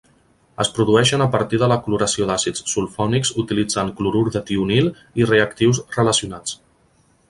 Es produeixen a partir de la cloració d'àcids sulfònics utilitzant clorur de tionil i reactius relacionats.